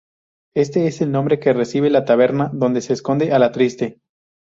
Este es el nombre que recibe la taberna donde se esconde Alatriste.